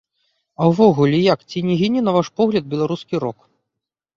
А ўвогуле, як, ці не гіне, на ваш погляд, беларускі рок?